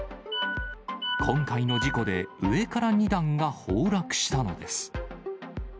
今回の事故で、上から２段が崩落したのです。